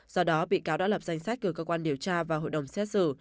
do đó bị cáo đã lập danh sách cử cơ quan điều tra vào hội đồng xét xử